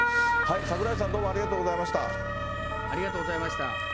櫻井さん、どうもありがとうござありがとうございました。